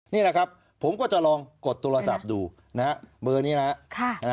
นี่แหละครับผมก็จะลองกดโทรศัพท์ดูนะฮะเบอร์นี้นะครับ